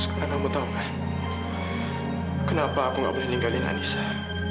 sekarang kamu tahu kan kenapa aku tidak boleh meninggalkan anissa